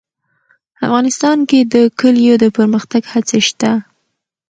افغانستان کې د کلیو د پرمختګ هڅې شته.